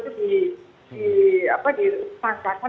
kalau korupsi yang tergigas uang itu disangkakan